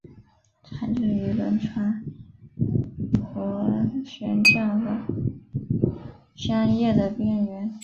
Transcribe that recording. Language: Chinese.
常见于轮船螺旋桨和泵桨叶的边缘。